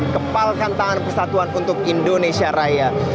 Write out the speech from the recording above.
kepalkan tangan persatuan untuk indonesia raya